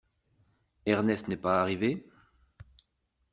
Ernest n’est pas arrivé ?